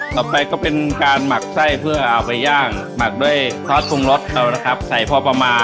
ต่อไปเป็นการล้างไท่หมู